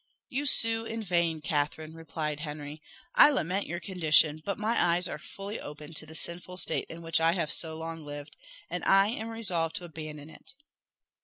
"You sue in vain, Catherine," replied Henry. "I lament your condition, but my eyes are fully opened to the sinful state in which I have so long lived, and I am resolved to abandon it."